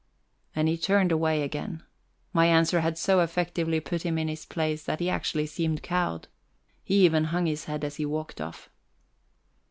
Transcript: And he turned away again. My answer had so effectively put him in his place that he actually seemed cowed: he even hung his head as he walked off.